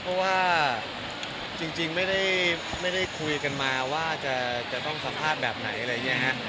เพราะว่าจริงไม่ได้คุยกันมาว่าจะต้องสัมภาษณ์แบบไหน